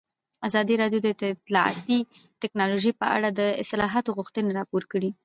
ازادي راډیو د اطلاعاتی تکنالوژي په اړه د اصلاحاتو غوښتنې راپور کړې.